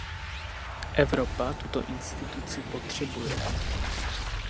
Evropa tuto instituci potřebuje.